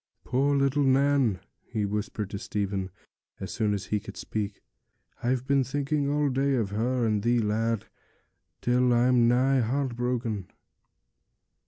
'Poor little Nan!' he whispered to Stephen, as soon as he could speak. 'I've been thinking all day of her and thee, lad, till I'm nigh heart broken.'